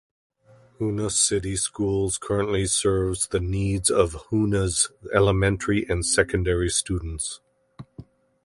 Hoonah City Schools currently serves the needs of Hoonah's elementary and secondary students.